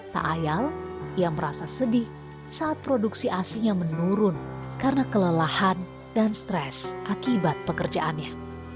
takayal yang merasa sedih saat produksi asisnya menurun karena kelelahan dan stres akibat pekerjaannya